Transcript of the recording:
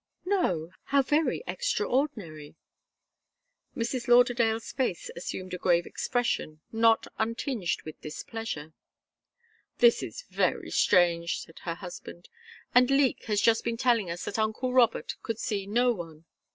"No how very extraordinary!" Mrs. Lauderdale's face assumed a grave expression not untinged with displeasure. "This is very strange," said her husband. "And Leek has just been telling us that uncle Robert could see no one."